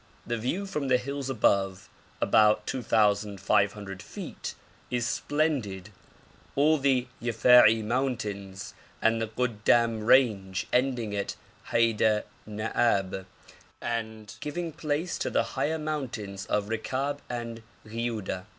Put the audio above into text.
The view from the hills above about 2,500 feet is splendid, all the Yafei mountains and the Goddam range ending at Haide Naab, and giving place to the higher mountains of Rekab and Ghiuda.